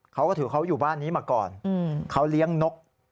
เขาก็ถือเขาอยู่บ้านนี้มาก่อนเขาเลี้ยงนก